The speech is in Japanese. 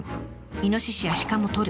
イノシシやシカもとる。